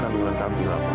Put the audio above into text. kamila tidak ada apa apa pak